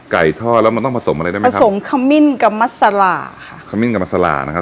ทอดแล้วมันต้องผสมอะไรได้ไหมผสมขมิ้นกับมัสลาค่ะขมิ้นกับมัสลานะครับ